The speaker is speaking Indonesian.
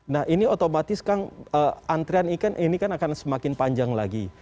nah ini otomatis kang antrean ikan ini kan akan semakin panjang lagi